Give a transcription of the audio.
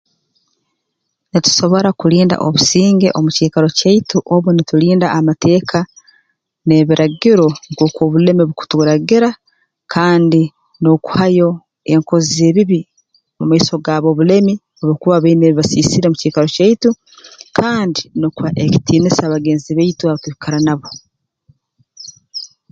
Nitusobora kulinda obusinge omu kiikaro kyaitu obu nitulinda amateeka n'ebiragiro nkooku obulimi bukuturagira kandi n'okuhayo enkozi z'ebibi mu maiso gab'obulemi obu bakuba baine ebi basiisire omu kiikaro kyaitu kandi n'okubatamu ekitiinisa bagenzi baitu abatukara nabo